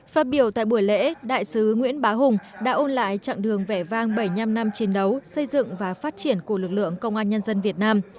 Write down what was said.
phát biểu tại buổi lễ đại sứ nguyễn bá hùng đã ôn lại chặng đường vẻ vang bảy mươi năm năm chiến đấu xây dựng và phát triển của lực lượng công an nhân dân việt nam